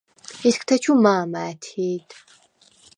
ისგთეჩუ მა̄მა ა̈თჰი̄დ.